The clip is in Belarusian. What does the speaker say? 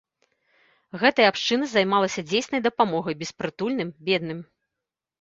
Гэтая абшчына займалася дзейснай дапамогай беспрытульным, бедным.